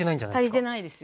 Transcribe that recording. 足りてないですよね。